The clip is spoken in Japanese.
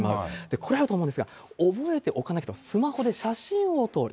これ、あると思うんですが、覚えておかなきゃとスマホで写真を撮る。